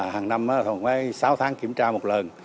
hàng năm khoảng sáu tháng kiểm tra một lần